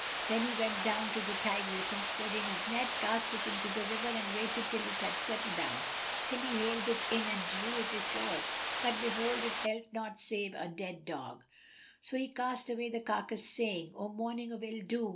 Then he went down to the Tigris and spreading his net, cast it into the river and waited till it had settled down, when he haled it in and drew it ashore, but behold, it held naught save a dead dog. So he cast away the carcase, saying, "O morning of ill doom!